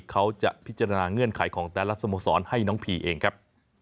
เขาจะพิจารณาเงื่อนไขของแต่ละสโมสรให้น้องพีเองครับ